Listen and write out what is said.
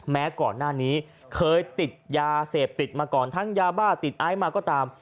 แม้ก่อนหน้านี้เคยติดยาเสพติดมาก่อนทั้งยาบ้าติดไอซ์มาก็ตาม